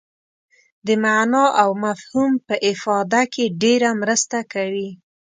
د معنا او مفهوم په افاده کې ډېره مرسته کوي.